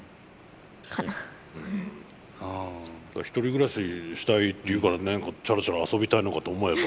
「１人暮らししたい」って言うから何かちゃらちゃら遊びたいのかと思えば。